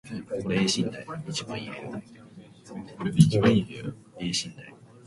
なんなんだよこのサイト